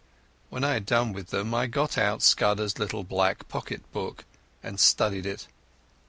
When I had done with them I got out Scudder's little black pocket book and studied it.